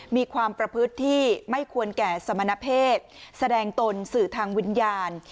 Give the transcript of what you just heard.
มีความประพฤติที่ไม่ควรแก่สมณเพศแสดงตนสื่อทางวิญญาณ